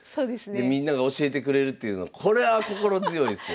でみんなが教えてくれるっていうのこれは心強いですよ。